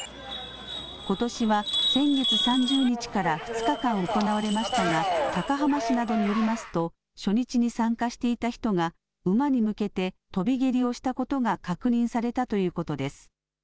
ことしは先月３０日から２日間行われましたが、高浜市などによりますと、初日に参加していた人が馬に向けて跳び蹴りをしたことが確認されたということです。